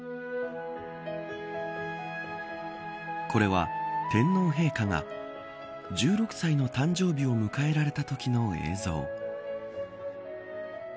これは、天皇陛下が１６歳の誕生日を迎えられたときの映像。